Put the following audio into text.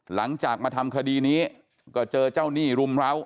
หลังจากมาทำคดีนี้ก็เจอเจ้าหนี้รุมร้าว